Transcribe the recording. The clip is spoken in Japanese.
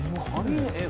えっ？